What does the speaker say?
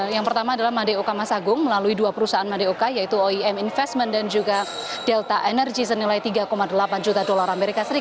yang pertama adalah madeo kamasagung melalui dua perusahaan madeoka yaitu oim investment dan juga delta energy senilai tiga delapan juta dolar as